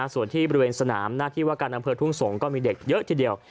ส่วนที่บริเวณสนามหน้าที่ว่าการอำเภอทุ่งสงศ์ก็มีเด็กเยอะทีเดียว